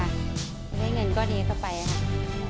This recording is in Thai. จะได้เงินก็ดีก็ไปค่ะ